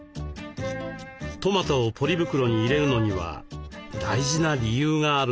トマトをポリ袋に入れるのには大事な理由があるんです。